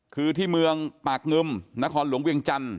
คือที่เมืองปากงึมนครหลวงเวียงจันท